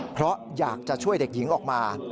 เพราะอยากจะช่วยเด็กหญิงออกมา